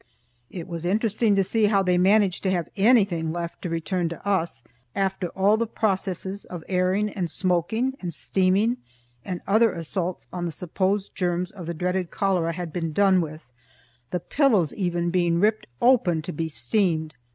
It was interesting to see how they managed to have anything left to return to us, after all the processes of airing and smoking and steaming and other assaults on supposed germs of the dreaded cholera had been done with, the pillows, even, being ripped open to be steamed!